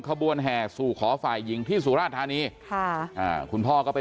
ขบวนแห่สู่ขอฝ่ายหญิงที่สุราธานีค่ะอ่าคุณพ่อก็ไป